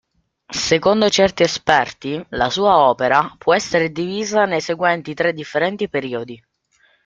Secondo certi esperti, la sua opera può essere divisa nei seguenti tre differenti periodi.